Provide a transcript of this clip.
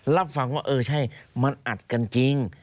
รับฟังว่าเออใช่มันอัดกันจริง